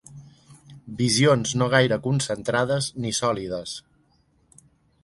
Visions no gaire concentrades ni sòlides.